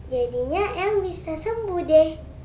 jadinya m bisa sembuh deh